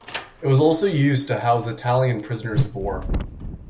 It was also used to house Italian prisoners of war.